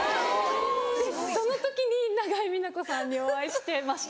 その時に永井美奈子さんにお会いしてました。